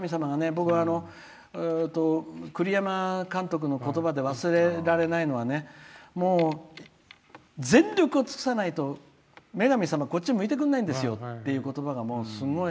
僕、栗山監督の言葉で忘れられないのは「全力を尽くさないと女神様は、こっち向いてくんないんですよ」